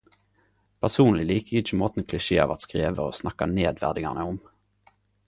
Personleg liker eg ikkje måten klisjeer vert skreve og snakka nedverdigene om.